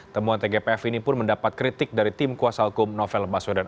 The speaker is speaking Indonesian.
temuan tgpf ini pun mendapat kritik dari tim kuasa hukum novel baswedan